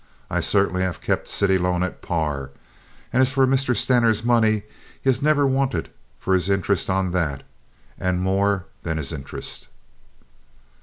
I certainly have kept city loan at par; and as for Mr. Stener's money, he has never wanted for his interest on that, and more than his interest."